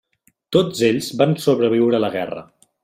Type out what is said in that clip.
Tots ells van sobreviure a la guerra.